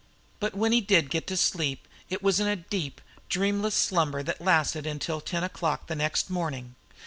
But when he did get to sleep it was in a deep, dreamless slumber that lasted until ten o'clock the next morning.